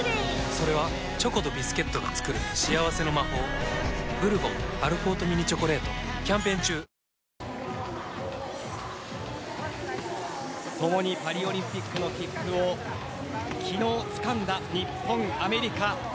それはチョコとビスケットが作る幸せの魔法キャンペーン中共にパリオリンピックの切符を昨日、つかんだ日本、アメリカ。